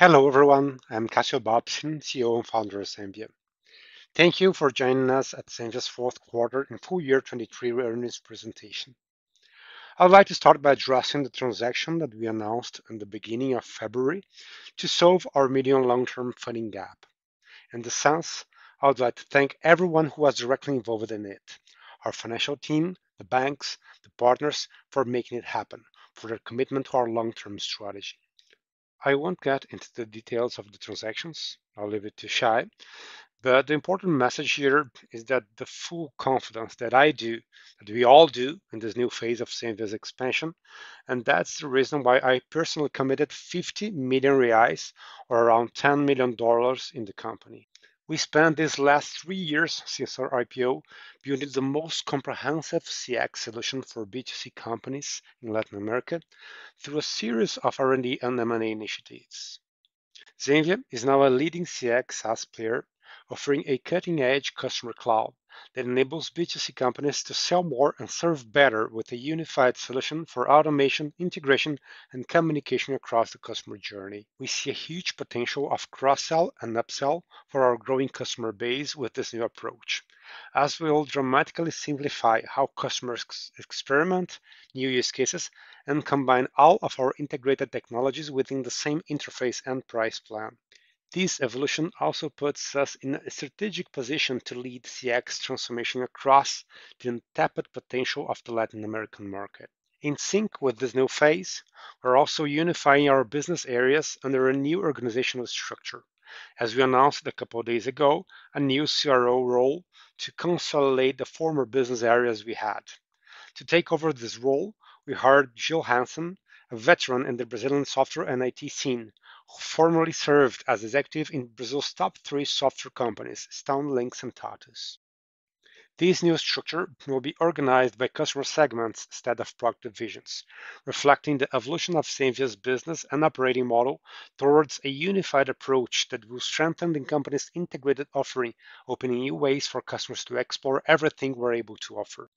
Hello everyone, I'm Cassio Bobsin, CEO and Founder of Zenvia. Thank you for joining us at Zenvia's fourth quarter and full-year 2023 revenues presentation. I'd like to start by addressing the transaction that we announced in the beginning of February to solve our medium-long-term funding gap. In this sense, I'd like to thank everyone who was directly involved in it, our financial team, the banks, the partners for making it happen, for their commitment to our long-term strategy. I won't get into the details of the transactions. I'll leave it to Shay. But the important message here is that the full confidence that I do, that we all do, in this new phase of Zenvia's expansion, and that's the reason why I personally committed 50 million reais, or around $10 million, in the company. We spent the last three years since our IPO building the most comprehensive CX solution for B2C companies in Latin America through a series of R&D and M&A initiatives. Zenvia is now a leading CX SaaS player, offering a cutting-edge customer cloud that enables B2C companies to sell more and serve better with a unified solution for automation, integration, and communication across the customer journey. We see a huge potential of cross-sell and upsell for our growing customer base with this new approach, as we will dramatically simplify how customers experiment with new use cases, and combine all of our integrated technologies within the same interface and price plan. This evolution also puts us in a strategic position to lead CX transformation across the untapped potential of the Latin American market. In sync with this new phase, we're also unifying our business areas under a new organizational structure, as we announced a couple of days ago a new CRO role to consolidate the former business areas we had. To take over this role, we hired Gilberto Hansen, a veteran in the Brazilian software and IT scene, who formerly served as an executive in Brazil's top three software companies, Stone, Linx, and TOTVS. This new structure will be organized by customer segments instead of product divisions, reflecting the evolution of Zenvia's business and operating model towards a unified approach that will strengthen the company's integrated offering, opening new ways for customers to explore everything we're able to offer.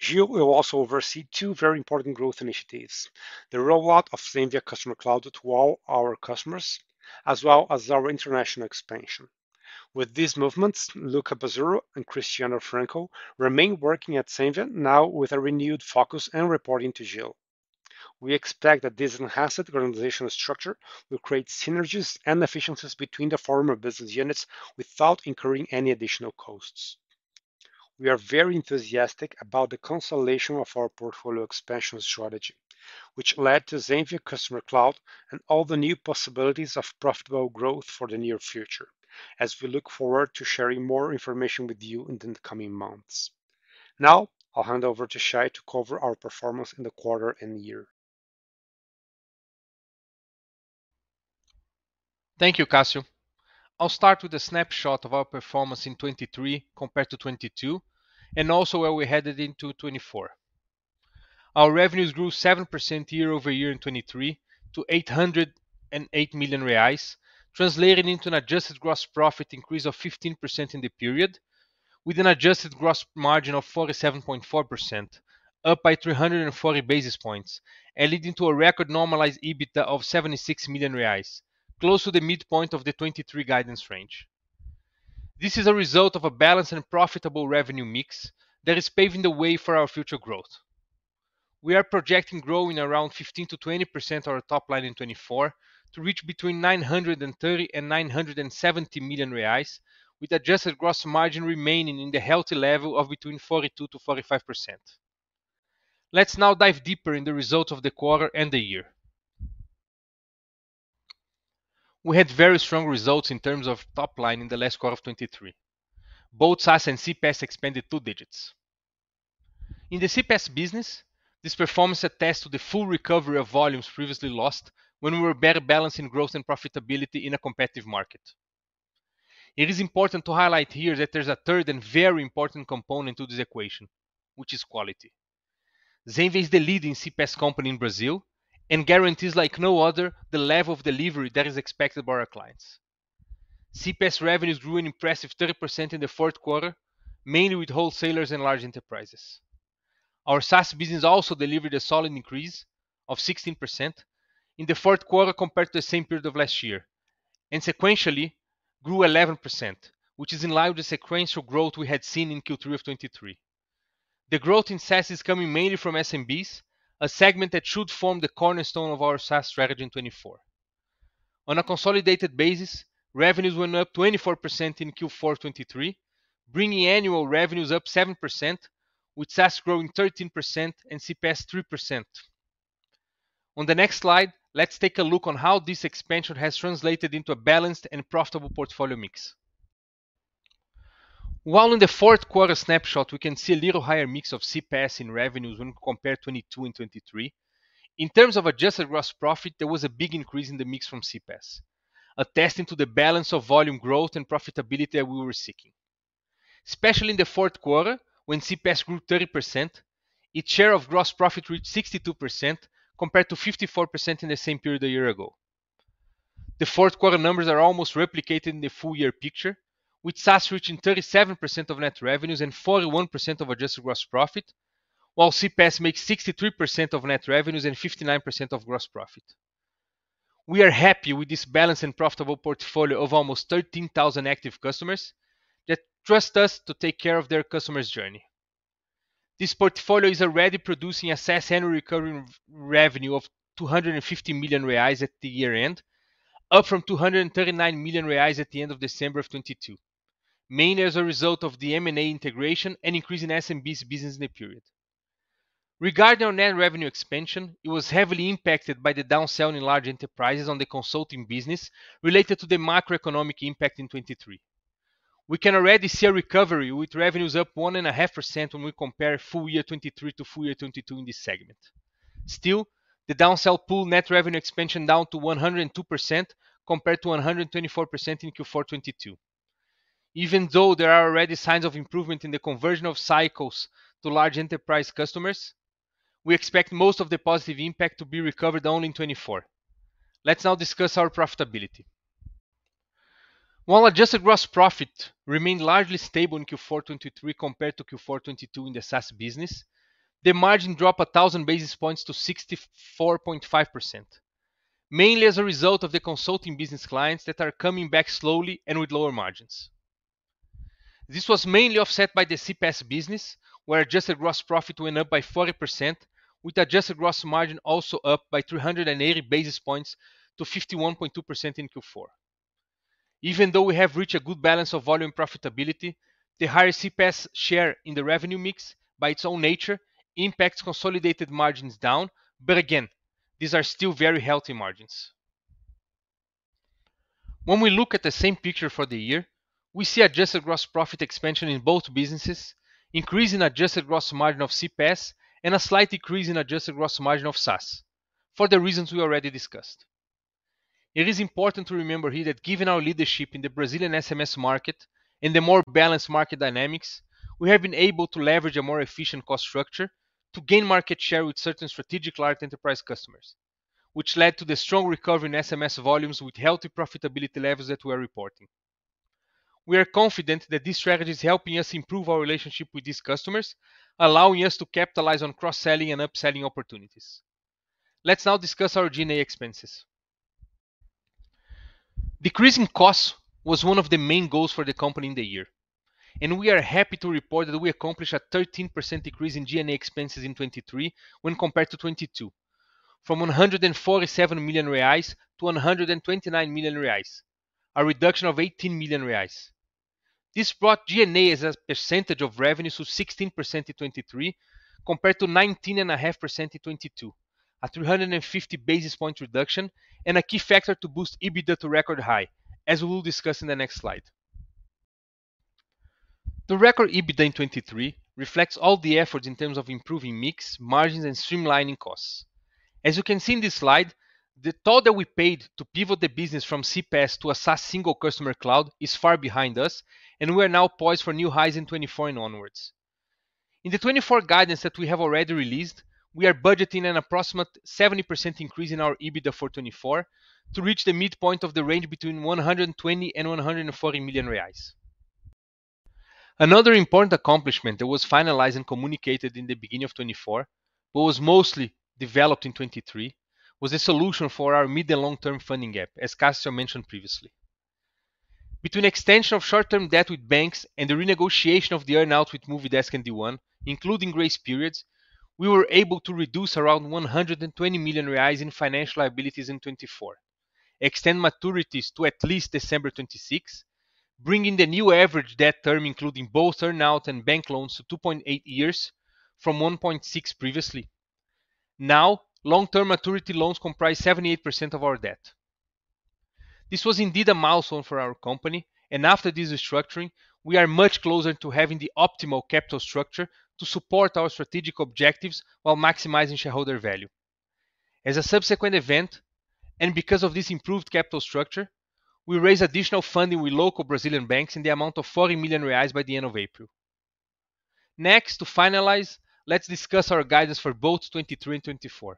Gilberto Hansen will also oversee two very important growth initiatives: the rollout of Zenvia Customer Cloud to all our customers, as well as our international expansion. With these movements, Luca Bazzurro and Cristiano Franco remain working at Zenvia, now with a renewed focus and reporting to Gil. We expect that this enhanced organizational structure will create synergies and efficiencies between the former business units without incurring any additional costs. We are very enthusiastic about the consolidation of our portfolio expansion strategy, which led to Zenvia Customer Cloud and all the new possibilities of profitable growth for the near future, as we look forward to sharing more information with you in the coming months. Now, I'll hand over to Shay to cover our performance in the quarter and year. Thank you, Cassio. I'll start with a snapshot of our performance in 2023 compared to 2022, and also where we headed into 2024. Our revenues grew 7% year-over-year in 2023 to 808 million reais, translating into an adjusted gross profit increase of 15% in the period, with an adjusted gross margin of 47.4%, up by 340 basis points, and leading to a record normalized EBITDA of 76 million reais, close to the midpoint of the 2023 guidance range. This is a result of a balanced and profitable revenue mix that is paving the way for our future growth. We are projecting growing of around 15%-20% of our top line in 2024 to reach between 930 million and 970 million reais, with adjusted gross margin remaining in the healthy level of between 42%-45%. Let's now dive deeper in the results of the quarter and the year. We had very strong results in terms of top line in the last quarter of 2023. Both SaaS and CPaaS expanded two digits. In the CPaaS business, this performance attests to the full recovery of volumes previously lost when we were better balancing growth and profitability in a competitive market. It is important to highlight here that there's a third and very important component to this equation, which is quality. Zenvia is the leading CPaaS company in Brazil and guarantees, like no other, the level of delivery that is expected by our clients. CPaaS revenues grew an impressive 30% in the fourth quarter, mainly with wholesalers and large enterprises. Our SaaS business also delivered a solid increase of 16% in the fourth quarter compared to the same period of last year, and sequentially grew 11%, which is in line with the sequential growth we had seen in Q3 of 2023. The growth in SaaS is coming mainly from SMBs, a segment that should form the cornerstone of our SaaS strategy in 2024. On a consolidated basis, revenues went up 24% in Q4 of 2023, bringing annual revenues up 7%, with SaaS growing 13% and CPaaS 3%. On the next slide, let's take a look at how this expansion has translated into a balanced and profitable portfolio mix. While in the fourth quarter snapshot, we can see a little higher mix of CPaaS and revenues when compared to 2022 and 2023, in terms of adjusted gross profit, there was a big increase in the mix from CPaaS, attesting to the balance of volume growth and profitability that we were seeking. Especially in the fourth quarter, when CPaaS grew 30%, its share of gross profit reached 62% compared to 54% in the same period a year ago. The fourth quarter numbers are almost replicated in the full year picture, with SaaS reaching 37% of net revenues and 41% of adjusted gross profit, while CPaaS makes 63% of net revenues and 59% of gross profit. We are happy with this balanced and profitable portfolio of almost 13,000 active customers that trust us to take care of their customer journey. This portfolio is already producing a SaaS annual recurring revenue of 250 million reais at the year-end, up from 239 million reais at the end of December of 2022, mainly as a result of the M&A integration and increasing SMBs' business in the period. Regarding our net revenue expansion, it was heavily impacted by the downsell in large enterprises on the consulting business related to the macroeconomic impact in 2023. We can already see a recovery with revenues up 1.5% when we compare full year 2023 to full year 2022 in this segment. Still, the downsell pulled net revenue expansion down to 102% compared to 124% in Q4 of 2022. Even though there are already signs of improvement in the conversion of cycles to large enterprise customers, we expect most of the positive impact to be recovered only in 2024. Let's now discuss our profitability. While adjusted gross profit remained largely stable in Q4 of 2023 compared to Q4 of 2022 in the SaaS business, the margin dropped 1,000 basis points to 64.5%, mainly as a result of the consulting business clients that are coming back slowly and with lower margins. This was mainly offset by the CPaaS business, where adjusted gross profit went up by 40%, with adjusted gross margin also up by 380 basis points to 51.2% in Q4. Even though we have reached a good balance of volume and profitability, the higher CPaaS share in the revenue mix, by its own nature, impacts consolidated margins down, but again, these are still very healthy margins. When we look at the same picture for the year, we see adjusted gross profit expansion in both businesses, an increase in adjusted gross margin of CPaaS, and a slight increase in adjusted gross margin of SaaS, for the reasons we already discussed. It is important to remember here that given our leadership in the Brazilian SMS market and the more balanced market dynamics, we have been able to leverage a more efficient cost structure to gain market share with certain strategic large enterprise customers, which led to the strong recovery in SMS volumes with healthy profitability levels that we are reporting. We are confident that this strategy is helping us improve our relationship with these customers, allowing us to capitalize on cross-selling and upselling opportunities. Let's now discuss our G&A expenses. Decreasing costs was one of the main goals for the company in the year, and we are happy to report that we accomplished a 13% decrease in G&A expenses in 2023 when compared to 2022, from 147 million reais to 129 million reais, a reduction of 18 million reais. This brought G&A as a percentage of revenues to 16% in 2023 compared to 19.5% in 2022, a 350 basis point reduction and a key factor to boost EBITDA to a record high, as we will discuss in the next slide. The record EBITDA in 2023 reflects all the efforts in terms of improving mix, margins, and streamlining costs. As you can see in this slide, the toll that we paid to pivot the business from CPaaS to a SaaS single customer cloud is far behind us, and we are now poised for new highs in 2024 and onwards. In the 2024 guidance that we have already released, we are budgeting an approximate 70% increase in our EBITDA for 2024 to reach the midpoint of the range between 120 million and 140 million reais. Another important accomplishment that was finalized and communicated in the beginning of 2024, but was mostly developed in 2023, was a solution for our mid and long-term funding gap, as Cassio mentioned previously. Between extension of short-term debt with banks and the renegotiation of the earnout with Movidesk and D1, including grace periods, we were able to reduce around 120 million reais in financial liabilities in 2024, extend maturities to at least December 26, bringing the new average debt term including both earnout and bank loans to 2.8 years from 1.6 previously. Now, long-term maturity loans comprise 78% of our debt. This was indeed a milestone for our company, and after this restructuring, we are much closer to having the optimal capital structure to support our strategic objectives while maximizing shareholder value. As a subsequent event, and because of this improved capital structure, we raised additional funding with local Brazilian banks in the amount of 40 million reais by the end of April. Next, to finalize, let's discuss our guidance for both 2023 and 2024.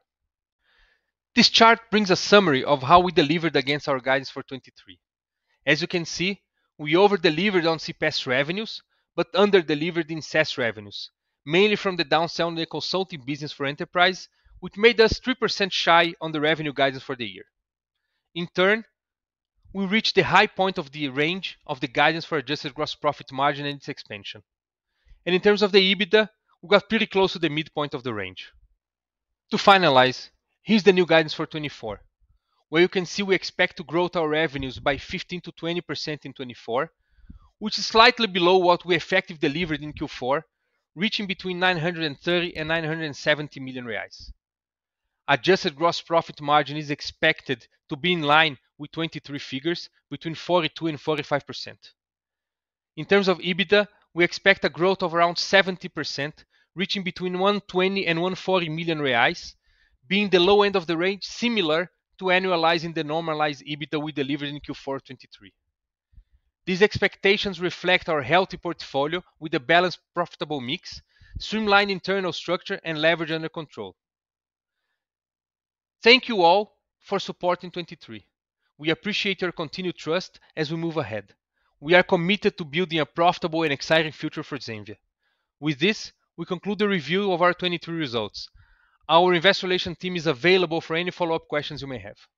This chart brings a summary of how we delivered against our guidance for 2023. As you can see, we overdelivered on CPaaS revenues but underdelivered in SaaS revenues, mainly from the downsell in the consulting business for enterprise, which made us 3% shy on the revenue guidance for the year. In turn, we reached the high point of the range of the guidance for adjusted gross profit margin and its expansion. And in terms of the EBITDA, we got pretty close to the midpoint of the range. To finalize, here's the new guidance for 2024, where you can see we expect to grow our revenues by 15%-20% in 2024, which is slightly below what we effectively delivered in Q4, reaching between 930 million and 970 million reais. Adjusted gross profit margin is expected to be in line with 2023 figures between 42% and 45%. In terms of EBITDA, we expect a growth of around 70%, reaching between 120 million and 140 million reais, being the low end of the range, similar to annualizing the normalized EBITDA we delivered in Q4 of 2023. These expectations reflect our healthy portfolio with a balanced profitable mix, streamlined internal structure, and leverage under control. Thank you all for your support in 2023. We appreciate your continued trust as we move ahead. We are committed to building a profitable and exciting future for Zenvia. With this, we conclude the review of our 2023 results. Our investor relations team is available for any follow-up questions you may have.